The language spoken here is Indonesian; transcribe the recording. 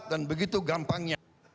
dan begitu gampangnya